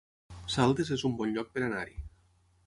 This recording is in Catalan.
Saldes es un bon lloc per anar-hi